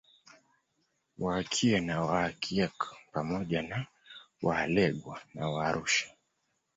Waakie na Waakiek pamoja na Waalegwa na Waarusha